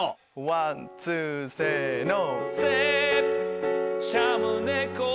ワンツーせの！